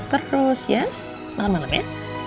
terus ya malam malam ya